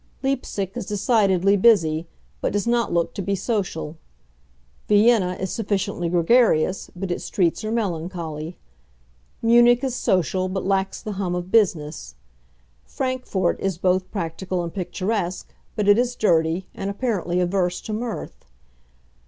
Leipsic is decidedly busy, but does not look to be social. Vienna is sufficiently gregarious, but its streets are melancholy. Munich is social, but lacks the hum of business. Frankfort is both practical and picturesque, but it is dirty, and apparently averse to mirth.